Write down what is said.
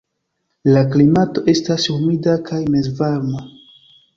La klimato estas humida kaj mezvarma.